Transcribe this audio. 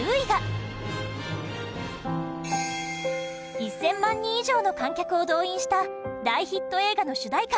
１０００万人以上の観客を動員した大ヒット映画の主題歌